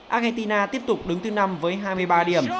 argentina tiếp tục đứng thứ năm với hai mươi ba điểm